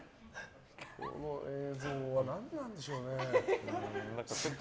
この映像は何なんでしょうね。